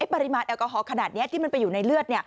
ปริมาณแอลกอฮอล์ขนาดนี้ที่มันไปอยู่ในเลือด